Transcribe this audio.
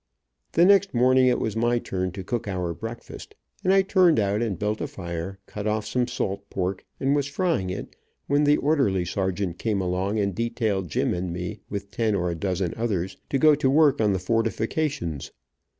The next morning it was my turn to cook our breakfast, and I turned out and built a fire, cut off some salt pork, and was frying it, when the orderly sergeant came along and detailed Jim and me, with ten or a dozen others to go to work on the fortifications.